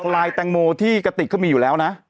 ลายแตงโมที่กะติกก็มีอยู่แล้วนะ